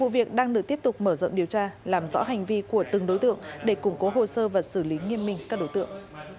vụ việc đang được tiếp tục mở rộng điều tra làm rõ hành vi của từng đối tượng để củng cố hồ sơ và xử lý nghiêm minh các đối tượng